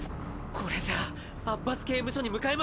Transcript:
これじゃアッバス刑務所に向かえませんよ！